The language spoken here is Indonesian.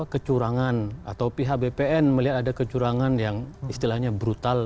kecurangan atau pihak bpn melihat ada kecurangan yang istilahnya brutal